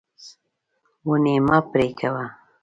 ونې مه پرې کوه.